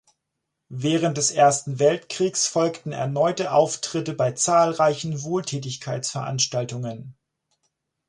Während des Ersten Weltkriegs folgten erneute Auftritte bei zahlreichen Wohltätigkeitsveranstaltungen.